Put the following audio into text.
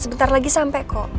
sebentar lagi sampe kok